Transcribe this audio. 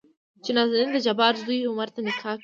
چې نازنين دجبار زوى عمر ته نکاح کړي.